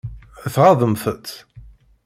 Tɣaḍem-t?